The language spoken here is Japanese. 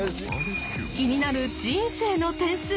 気になる人生の点数。